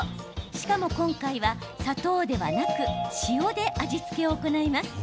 しかも今回は砂糖ではなく塩で味付けを行います。